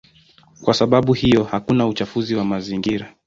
Kwa sababu hiyo hakuna uchafuzi wa mazingira.